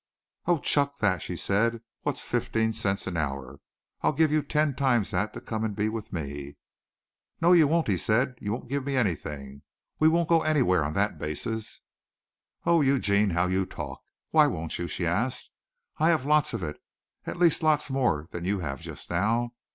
"Oh, chuck that," she said. "What's fifteen cents an hour? I'll give you ten times that to come and be with me." "No, you won't," he said. "You won't give me anything. We won't go anywhere on that basis." "Oh, Eugene, how you talk. Why won't you?" she asked. "I have lots of it at least lots more than you have just now.